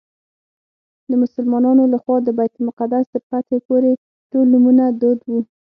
د مسلمانانو له خوا د بیت المقدس تر فتحې پورې ټول نومونه دود وو.